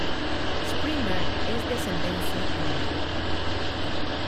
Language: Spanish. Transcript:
Sprenger es de ascendencia alemana.